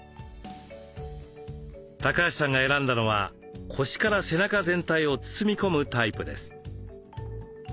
高橋さんが選んだのは腰から背中全体を包み込むタイプです。